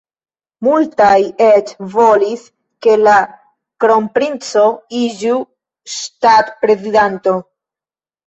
Multaj eĉ volis, ke la kronprinco iĝu ŝtatprezidanto.